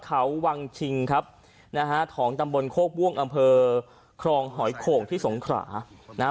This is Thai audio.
เขาวังชิงครับนะฮะของตำบลโคกม่วงอำเภอครองหอยโข่งที่สงขรานะฮะ